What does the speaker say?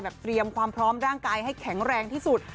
เตรียมความพร้อมร่างกายให้แข็งแรงที่สุด